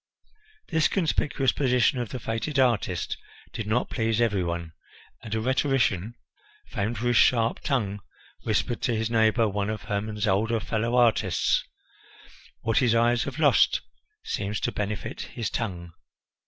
This conspicuous position of the feted artist did not please every one, and a rhetorician, famed for his sharp tongue, whispered to his neighbour, one of Hermon's older fellow artists, "What his eyes have lost seems to benefit his tongue."